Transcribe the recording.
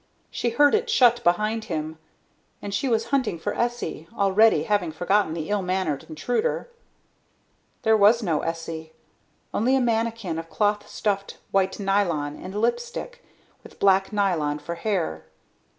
She heard it shut behind him, and she was hunting for Essie, already having forgotten the ill mannered intruder. There was no Essie, only a mannikin of cloth stuffed white nylon and lipstick, with black nylon for hair.